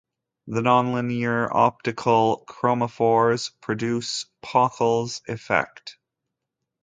The nonlinear optical chromophores produce Pockel's effect.